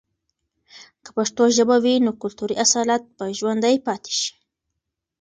که پښتو ژبه وي، نو کلتوري اصالت به ژوندي پاتې سي.